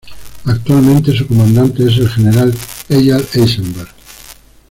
Actualmente su comandante es el general Eyal Eisenberg.